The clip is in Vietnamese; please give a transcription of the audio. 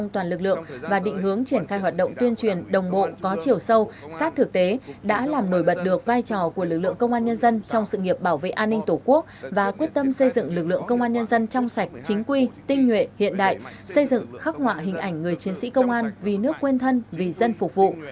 trong sự nghiệp bảo vệ an ninh tổ quốc và quyết tâm xây dựng lực lượng công an nhân dân trong sạch chính quy tinh nguyện hiện đại xây dựng khắc họa hình ảnh người chiến sĩ công an vì nước quên thân vì dân phục vụ